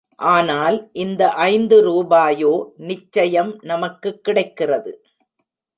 ஆனால், இந்த ஐந்து ரூபாயோ நிச்சயம் நமக்குக் கிடைக்கிறது.